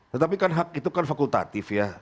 tetapi kan hak itu kan fakultatif ya